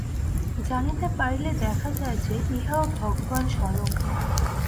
জানিতে পারিলে দেখা যায় যে, ইহাও ভগবান স্বয়ং।